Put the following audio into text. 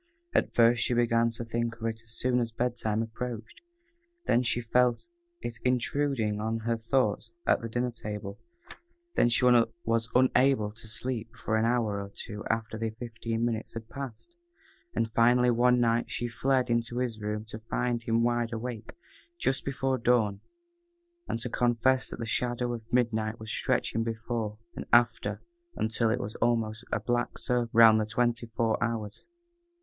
At first she began to think of it as soon as bed time approached; then she felt it intruding on her thoughts at the dinner table; then she was unable to sleep for an hour or two after the fifteen minutes had passed, and, finally, one night, she fled into his room to find him wide awake, just before dawn, and to confess that the shadow of midnight was stretched before and after until it was almost a black circle round the twenty four hours.